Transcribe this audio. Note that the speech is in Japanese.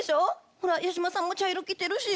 ほら八嶋さんも茶色着てるし。